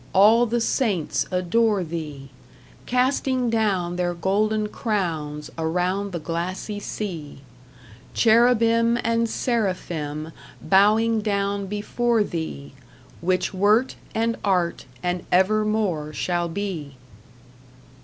All the saints adore Thee, Casting down their golden crowns around the glassy sea; Cherubim and seraphim bowing down before Thee, Which wert, and art, and ever more shall be!